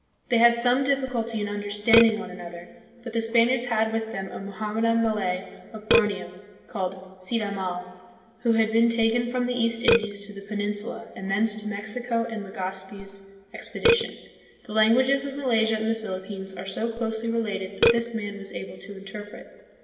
They had some difficulty in understanding one another, but the Spaniards had with them a Mohammedan Malay of Borneo, called Cid Hamal, who had been taken from the East Indies to the Peninsula and thence to Mexico and Legazpi's expedition. The languages of Malaysia and the Philippines are so closely related that this man was able to interpret.